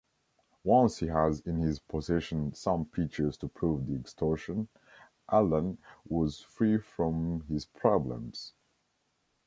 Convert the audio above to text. Once he has in his possession some pictures to prove the extortion, Alan was free from his problems.